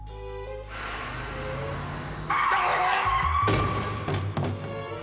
あっ！